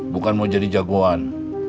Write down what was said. bukan mau jadi jagoan